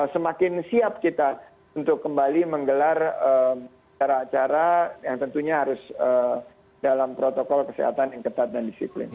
semakin siap kita untuk kembali menggelar acara acara yang tentunya harus dalam protokol kesehatan yang ketat dan disiplin